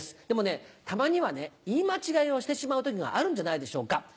でもたまには言い間違いをしてしまう時があるんじゃないでしょうか。